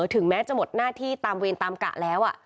ถึงแม้จะหมดหน้าที่ตามเวรตามกะแล้ว